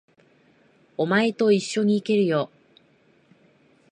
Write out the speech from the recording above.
お前と一緒に行けるよ。